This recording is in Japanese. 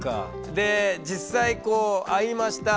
で実際こう会いました。